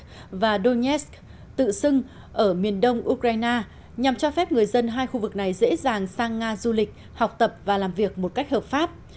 ngoại trưởng nga vladimir putin đã đặt tờ tự xưng ở miền đông ukraine nhằm cho phép người dân hai khu vực này dễ dàng sang nga du lịch học tập và làm việc một cách hợp pháp